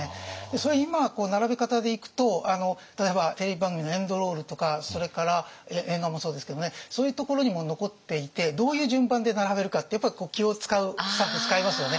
それ今並べ方でいくと例えばテレビ番組のエンドロールとかそれから映画もそうですけれどもねそういうところにも残っていてどういう順番で並べるかってやっぱ気を遣うスタッフ遣いますよね。